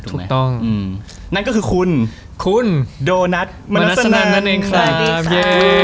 ถูกต้องนั่นก็คือคุณคุณโดนัทมนัสนันนั่นเองครับ